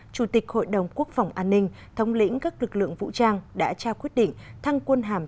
chủ tịch hội đồng quốc phòng an ninh thống lĩnh các lực lượng vũ trang đã trao quyết định thăng quân hàm